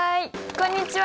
こんにちは！